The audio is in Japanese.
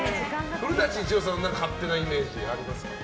古舘伊知郎さんの勝手なイメージありますか？